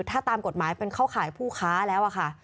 ถ้าตามกฎหมายเป็นเข้าข่ายผู้ค้าแล้วอะค่ะ